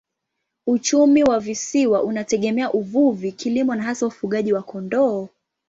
Uchumi wa visiwa unategemea uvuvi, kilimo na hasa ufugaji wa kondoo.